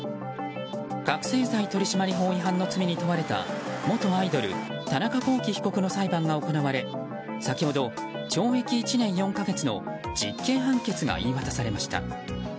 覚醒剤取締法違反の罪に問われた元アイドル、田中聖被告の裁判が行われ先ほど、懲役１年４か月の実刑判決が言い渡されました。